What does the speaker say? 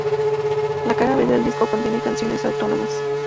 La cara B del disco contiene canciones autónomas.